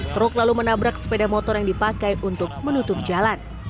truk lalu menabrak sepeda motor yang dipakai untuk menutup jalan